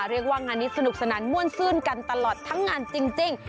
เรียกว่างานนี้สนุกสนานม่วนซื่นกันตลอดทั้งงานจริง